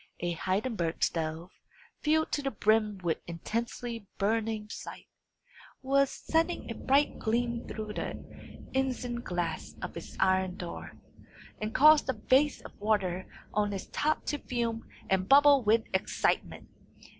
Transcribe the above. A Heidenberg stove, filled to the brim with intensely burning anthracite, was sending a bright gleam through the isinglass of its iron door, and causing the vase of water on its top to fume and bubble with excitement.